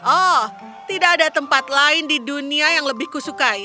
oh tidak ada tempat lain di dunia yang lebih kusukai